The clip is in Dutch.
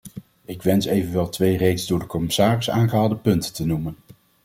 Ik wens evenwel twee reeds door de commissaris aangehaalde punten te noemen.